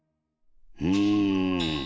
うん。